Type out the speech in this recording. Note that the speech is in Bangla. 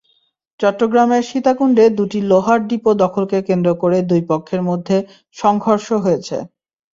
চট্টগ্রামের সীতাকুণ্ডে দুটি লোহার ডিপো দখলকে কেন্দ্র করে দুই পক্ষের মধ্যে সংঘর্ষ হয়েছে।